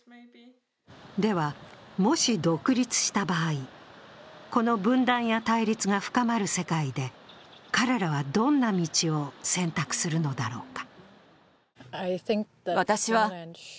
では、もし独立した場合、この分断や対立が深まる世界で彼らはどんな道を選択するのだろうか。